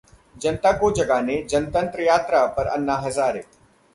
जनता को जगाने 'जनतंत्र यात्रा' पर अन्ना हजारे